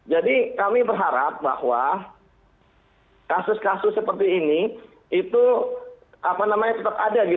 jadi kami berharap bahwa kasus kasus seperti ini itu tetap ada